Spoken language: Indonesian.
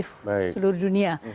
itu positif seluruh dunia